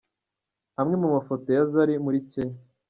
Amwe mu mafoto ya Zari muri Kenya.